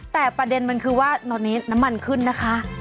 แต่ประเด็นมันคือว่าตอนนี้น้ำมันขึ้นนะคะ